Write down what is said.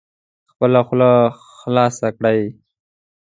خپله خوله خلاصه کړئ